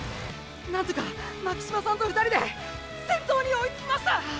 なんとか巻島さんと２人で先頭に追いつきました！